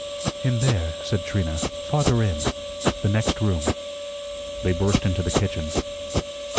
"In there," said Trina, "farther in the next room." They burst into the kitchen.